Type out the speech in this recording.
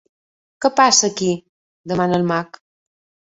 Què passa aquí? —demana el mag.